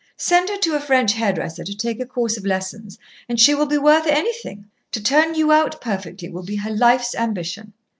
Send her to a French hairdresser to take a course of lessons, and she will be worth anything. To turn you out perfectly will be her life's ambition."